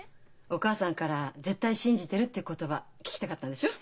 お母さんから「絶対信じてる」って言葉聞きたかったんでしょ？